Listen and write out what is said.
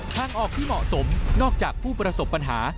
ทางออกที่เหมาะสมนอกจากผู้ประสบปัญหา